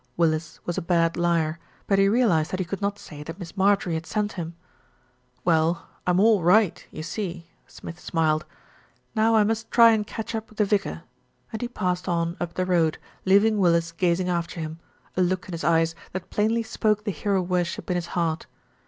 Willis was a bad liar; but he realised that he could not say that Miss Marjorie had sent him. "Well, I'm all right, you see," Smith smiled. "Now I must try and catch up with the vicar," and he passed on up the road, leaving Willis gazing after him, a look in his eyes that plainly spoke the hero worship in his heart.